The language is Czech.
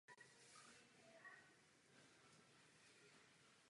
Úspěšnou sezonu korunoval titulem mistra světa před domácím publikem.